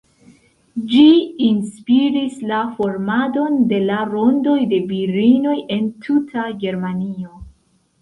Ĝi inspiris la formadon de la rondoj de virinoj en tuta Germanio.